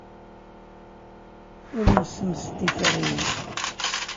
Ur nessemsed tiferyin.